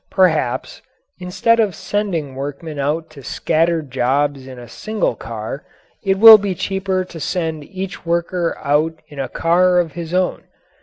Perhaps, instead of sending workmen out to scattered jobs in a single car, it will be cheaper to send each worker out in a car of his own.